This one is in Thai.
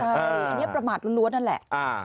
อันนี้ประมาทล้วนนั่นแหละ